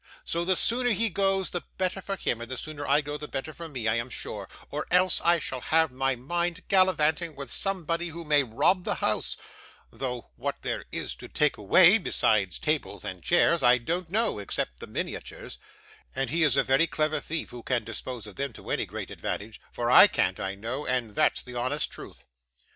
So the sooner he goes, the better for him, and the sooner I go, the better for me, I am sure, or else I shall have my maid gallivanting with somebody who may rob the house though what there is to take away, besides tables and chairs, I don't know, except the miniatures: and he is a clever thief who can dispose of them to any great advantage, for I can't, I know, and that's the honest truth.